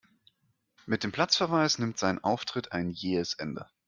Mit dem Platzverweis nimmt sein Auftritt ein jähes Ende.